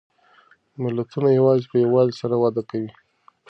ملتونه یوازې په یووالي سره وده کوي.